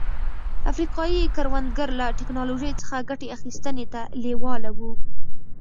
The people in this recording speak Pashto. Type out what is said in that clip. افریقايي کروندګر له ټکنالوژۍ څخه ګټې اخیستنې ته لېواله وو.